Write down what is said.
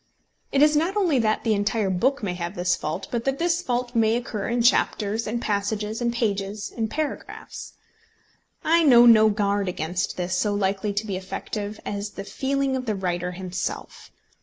It is not only that the entire book may have this fault, but that this fault may occur in chapters, in passages, in pages, in paragraphs. I know no guard against this so likely to be effective as the feeling of the writer himself.